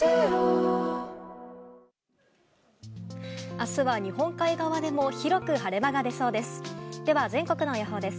明日は日本海側でも広く晴れ間が出そうです。